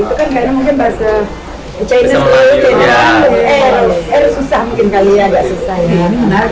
itu kan karena mungkin bahasa cina itu r susah mungkin kalian